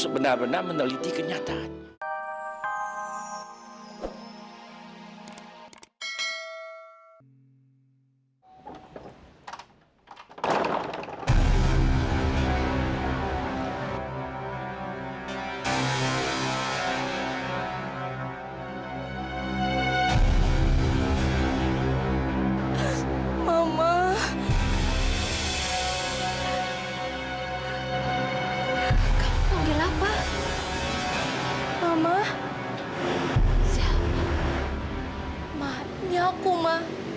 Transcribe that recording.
mampunya aku ma